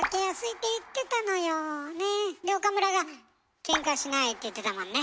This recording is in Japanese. で岡村が「ケンカしない」って言ってたもんね。